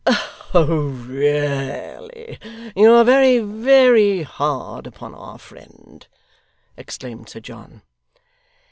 'Oh, really you are very, very hard upon our friend!' exclaimed Sir John.